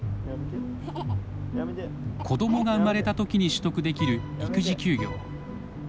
子どもが生まれたときに取得できる育児休業。